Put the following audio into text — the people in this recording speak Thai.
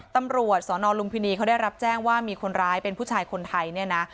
ตำรวจสนลุมพินีเขาได้รับแจ้งว่ามีคนร้ายเป็นผู้ชายคนไทยเนี่ยนะ